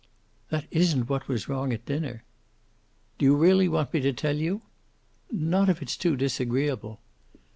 "That isn't what was wrong at dinner." "Do you really want me to tell you?" "Not if it's too disagreeable."